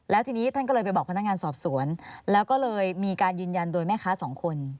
แล้วทีนี้ท่านก็เลยไปบอกพนักงานสอบสวนแล้วก็เลยมีการยืนยันโดยแม่ค้าสองคน